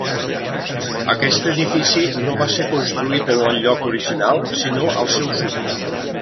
Aquest edifici no va ser construït en el lloc original, sinó al seu sud.